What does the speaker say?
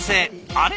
「あれ？